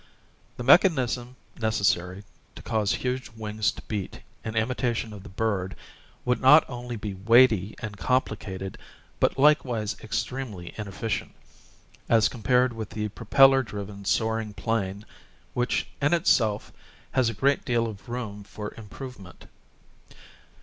The mechanism necessary to cause huge wings to beat 740 AVIATION AND ITS FUTURE 37 in imitation of the bird would not only be weighty and complicated but likewise extremely inefficient, as compared with the propeller driven soaring plane, which in itself has a great deal of room for improvement.